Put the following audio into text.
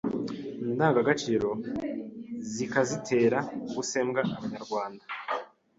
ndangagaciro zikazitera ubusembwa. Abanyarwanda